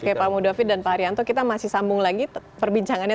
oke pak mudofit dan pak haryanto kita masih sambung lagi perbincangannya